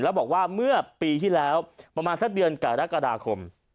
แล้วบอกว่าเมื่อปีที่แล้วประมาณสักเดือนกรกฎาคม